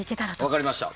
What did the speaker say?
分かりました。